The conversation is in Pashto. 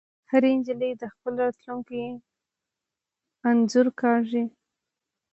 هرې نجلۍ د خپل راتلونکي انځور کاږه